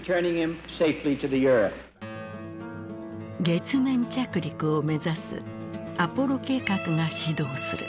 月面着陸を目指すアポロ計画が始動する。